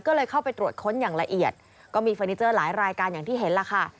ก็เลยเข้าไปตรวจค้นอย่างละเอียดก็มีเฟอร์นิเจอร์หลายรายการอย่างที่เห็นล่ะค่ะ